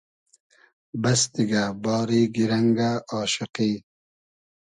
بئس دیگۂ ، باری گیرئنگۂ آشوقی